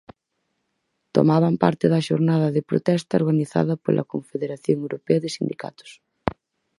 Tomaban parte da xornada de protesta organizada pola Confederación Europea de Sindicatos.